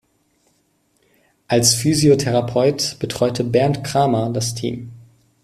Als Physiotherapeut betreute Bernd Cramer das Team.